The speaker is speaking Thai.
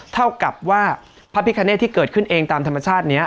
เท่ากับว่าพระพิคเนตที่เกิดขึ้นเองตามธรรมชาตินี้